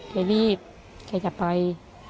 แกรีบแกจะไป